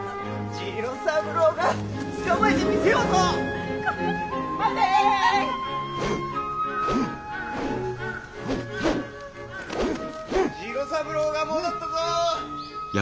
・次郎三郎が戻ったぞ。